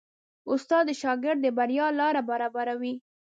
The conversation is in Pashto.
استاد د شاګرد د بریا لاره برابروي.